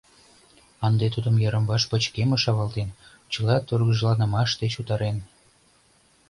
Ынде тудым йырымваш пычкемыш авалтен, чыла тургыжланымаш деч утарен.